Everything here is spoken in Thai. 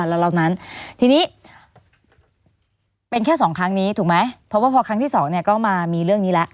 แล้วเรานั้นทีนี้เป็นแค่สองครั้งนี้ถูกไหมเพราะว่าพอครั้งที่สองเนี่ยก็มามีเรื่องนี้แล้ว